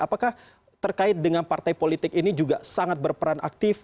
apakah terkait dengan partai politik ini juga sangat berperan aktif